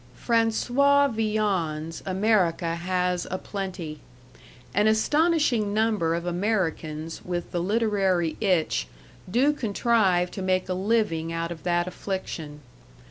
§ 3 François Villons America has a plenty. An astonishing number of Americans with the literary itch do contrive to make a living out of that affliction.